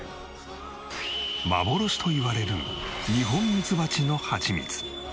幻といわれるニホンミツバチのハチミツ。